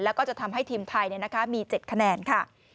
แล้วก็จะทำให้ทีมไทยมี๗คะแนนค่ะ